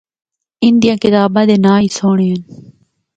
اندیاں کتاباں دے ناں ہی سہنڑے ہن۔